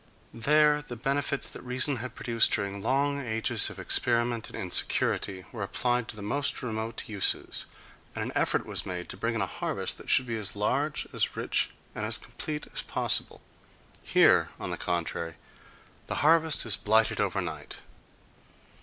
There the benefits that reason had produced during long ages of experiment and insecurity were applied to the most remote uses, and an effort was made to bring in a harvest that should be as large, as rich and as complete as possible; here, on the contrary, the harvest is blighted overnight....